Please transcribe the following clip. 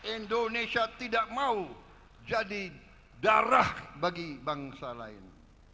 indonesia tidak mau jadi darah bagi bangsa lain